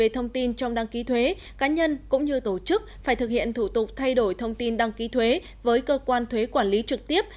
thông tin trong đăng ký thuế cá nhân cũng như tổ chức phải thực hiện thủ tục thay đổi thông tin đăng ký thuế với cơ quan thuế quản lý trực tiếp